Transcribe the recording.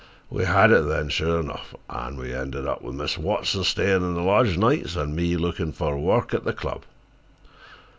We had it, then, sho' nuff, and it ended up with Mis' Watson stayin' in the lodge nights an' me lookin' fer work at de club."